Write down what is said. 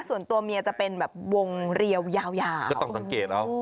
ส่วนตัวเมียจะเป็นแบบวงเรียวยาวยาวก็ต้องสังเกตเอา